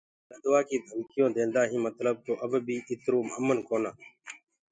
لدوآ ڪيٚ ڌمڪيٚونٚ ديندآ هينٚ متلب تو اب بي اِترو امن ڪونا۔